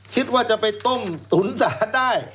คิดว่าจะไปต้มตุ๋นสารได้